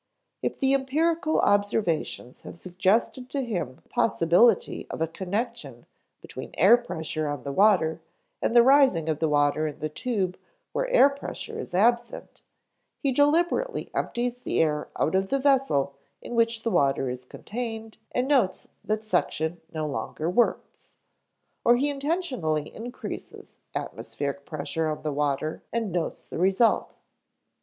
If the empirical observations have suggested to him the possibility of a connection between air pressure on the water and the rising of the water in the tube where air pressure is absent, he deliberately empties the air out of the vessel in which the water is contained and notes that suction no longer works; or he intentionally increases atmospheric pressure on the water and notes the result.